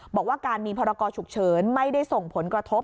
บอกว่าการมีพรกรฉุกเฉินไม่ได้ส่งผลกระทบ